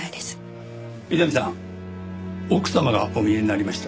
伊丹さん奥様がお見えになりました。